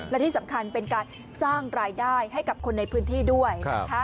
และที่สำคัญเป็นการสร้างรายได้ให้กับคนในพื้นที่ด้วยนะคะ